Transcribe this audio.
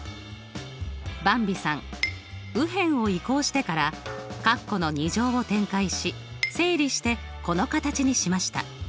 ばんびさん右辺を移項してからカッコの２乗を展開し整理してこの形にしました。